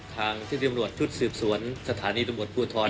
ทางที่ที่อำรวจทุกษ์สืบสวนสถานีอำรวจผู้ทร